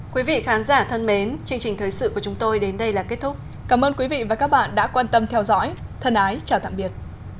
chương trình thời sự của chúng tôi đến đây là kết thúc cảm ơn quý vị và các bạn đã quan tâm theo dõi thân ái chào tạm biệt